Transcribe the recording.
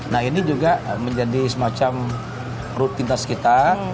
nah ini juga menjadi semacam rutinitas kita